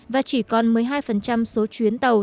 và chỉ còn một mươi hai số chuyến tàu